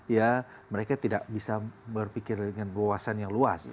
ya mereka tidak bisa berpikir dengan luasan yang luas